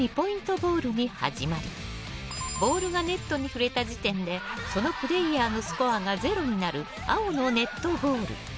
ボールに始まりボールがネットに触れた時点でそのプレーヤーのスコアがゼロになる青のネットボール。